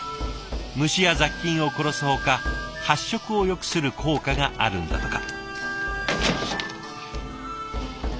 虫や雑菌を殺すほか発色をよくする効果があるんだとか。